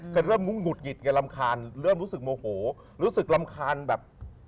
เริ่มหงุดหงิดไงรำคาญเริ่มรู้สึกโมโหรู้สึกรำคาญแบบ